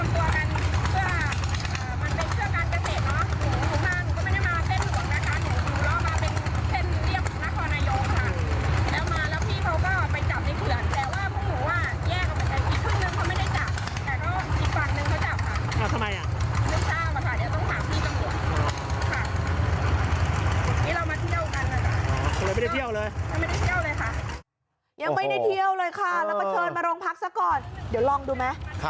เราก็ไม่ได้มาเต้นหวังนะ